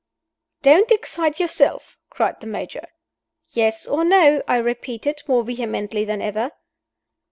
"Don't excite yourself!" cried the Major. "Yes or No?" I repeated, more vehemently than ever.